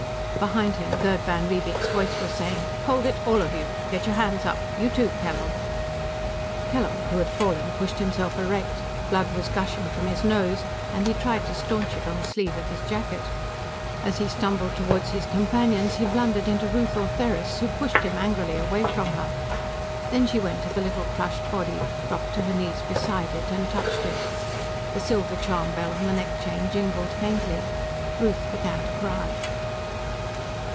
Behind him, Gerd van Riebeek's voice was saying, "Hold it, all of you; get your hands up. You, too, Kellogg." Kellogg, who had fallen, pushed himself erect. Blood was gushing from his nose, and he tried to stanch it on the sleeve of his jacket. As he stumbled toward his companions, he blundered into Ruth Ortheris, who pushed him angrily away from her. Then she went to the little crushed body, dropping to her knees beside it and touching it. The silver charm bell on the neck chain jingled faintly. Ruth began to cry.